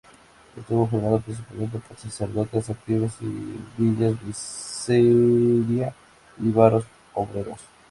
Estuvo formado principalmente por sacerdotes activos en villas miseria y barrios obreros.